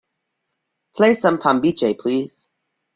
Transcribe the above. Play some pambiche please